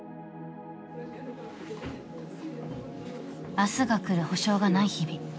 明日がくる保証がない日々。